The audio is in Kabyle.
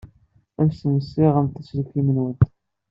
Alsemt ssiɣemt aselkim-nwent.